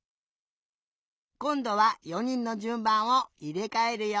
こんどは４にんのじゅんばんをいれかえるよ。